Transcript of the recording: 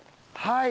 はい。